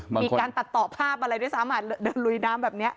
มีการตัดต่อภาพอะไรด้วยซ้ำเดินลุยน้ำแบบนี้